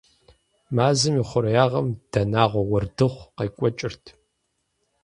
Мазэм и хъуреягъым дэнагъуэ уэрдыхъу къекӀуэкӀырт.